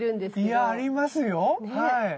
いやありますよはい。